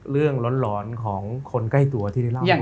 เรื่องร้อนของคนใกล้ตัวที่เล่ามาก่อน